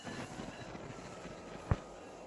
所有的人和所有的行星都属于类。